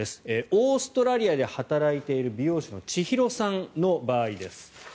オーストラリアで働いている美容師のちひろさんの場合です。